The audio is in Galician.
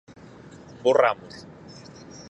Borramos.